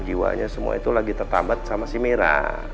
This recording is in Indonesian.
jiwanya semua itu lagi tertambat sama si merah